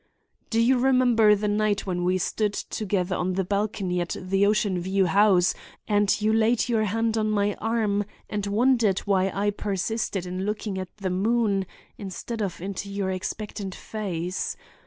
"Do you remember the night when we stood together on the balcony at the Ocean View House and you laid your hand on my arm and wondered why I persisted in looking at the moon instead of into your expectant face?